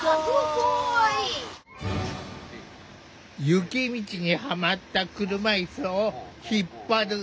雪道にはまった車いすを引っ張る犬。